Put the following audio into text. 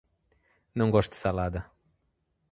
Não gosto de salada